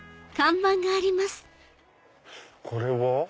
これは？